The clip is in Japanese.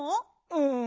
うん。